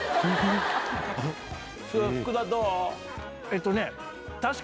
福田どう？